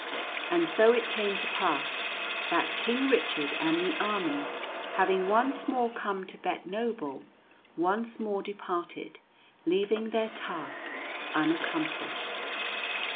And so it came to pass that King Richard and the army having once more come to Beitenoble, once more departed, leaving their task unaccomplished.